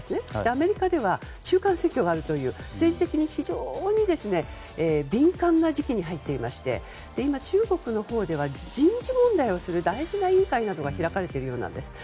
アメリカでは中間選挙があるという政治的に非常に敏感な時期に入っていまして中国のほうでは人事問題をする大事な委員会などが開かれているようなんです。